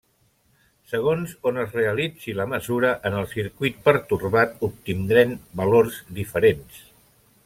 Segons on es realitzi la mesura en el circuit pertorbat obtindrem valors diferents.